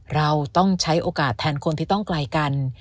เราต้องใช้โอกาสแทนคนที่ต้องไกลกัน